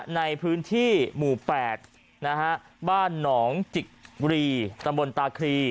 ในพื้นที่หมู่แปดนะฮะบ้านหนองจิกรีตะบลตาครี